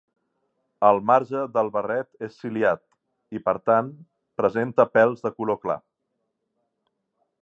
El marge del barret és ciliat i, per tant, presenta pèls de color clar.